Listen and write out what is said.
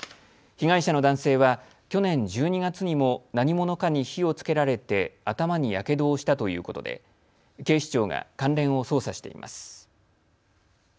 被害者の男性は去年１２月にも何者かに火をつけられて頭にやけどをしたということで警視庁が関連を捜査しています。